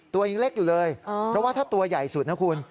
ตัวยังเล็กอยู่เลยเพราะว่าถ้าตัวใหญ่สุดนะคุณ